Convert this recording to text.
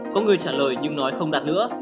có người trả lời nhưng nói không đặt nữa